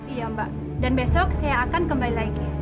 iya mbak dan besok saya akan kembali lagi